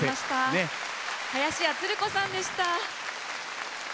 林家つる子さんでした。